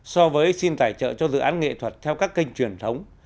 so với xin tài trợ cho dự án nghệ thuật theo các kênh truyền thống